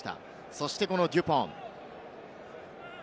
そしてこのデュポン。